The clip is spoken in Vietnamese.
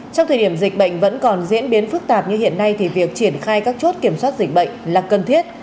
trong thời điểm dịch bệnh vẫn còn diễn biến phức tạp như hiện nay thì việc triển khai các chốt kiểm soát dịch bệnh là cần thiết